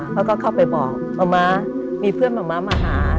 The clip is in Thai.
แล้วก็เข้าไปบอกมะม้ามีเพื่อนมะม้ามาหา